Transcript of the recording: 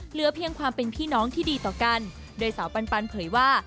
เหลือเพียงความเป็นพี่น้องที่ดีต่อกันโดยสาวปันปันเผยว่า